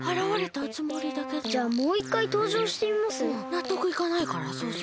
なっとくいかないからそうする。